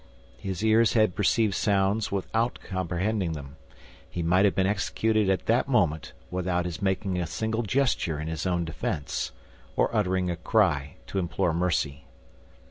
His ears had perceived sounds without comprehending them; he might have been executed at that moment without his making a single gesture in his own defense or uttering a cry to implore mercy.